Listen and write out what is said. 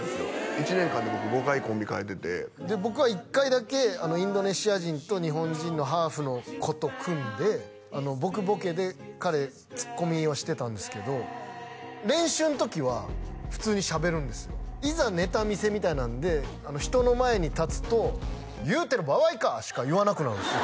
１年間で僕５回コンビかえてて僕は１回だけインドネシア人と日本人のハーフの子と組んで僕ボケで彼ツッコミをしてたんですけど練習の時は普通にしゃべるんですよいざネタ見せみたいなんで人の前に立つと「言うてる場合か！」しか言わなくなるんですよ